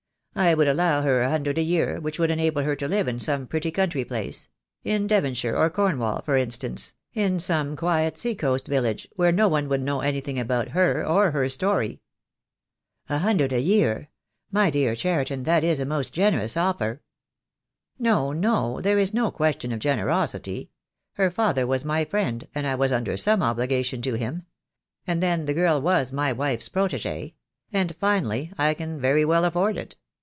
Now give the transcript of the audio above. I would allow her a hundred a year, which would enable her to live in some pretty country place — in Devonshire or Cornwall, THE DAY WILL COME. I I 5 for instance, in some quiet sea coast village where no one would know anything about her or her story." "A hundred a year! My dear Cheriton, that is a most generous offer." "No, no, there is no question of generosity. Her father was my friend, and I was under some obligation to him. And then the girl was my wife's protegee; and, finally, I can very well afford it.